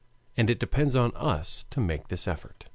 And it depends upon us to make this effort.